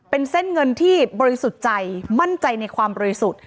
เป็นเส้นเงินที่บริสุทธิ์ใจมั่นใจในความบริสุทธิ์